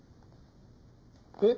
えっ？